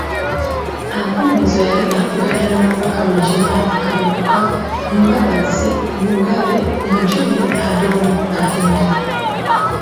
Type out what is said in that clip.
Ampumuza yali avuganya n'omubaka Ruggimana Kaberuka, Mbabazi, Mugabe, Mujuni ne Adon Kahinda.